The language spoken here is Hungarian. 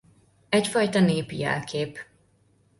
Egyfajta népi jelkép.